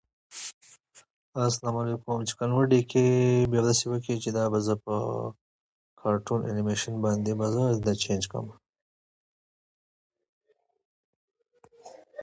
By construction the disc algebra is a closed subalgebra of the Hardy space "H".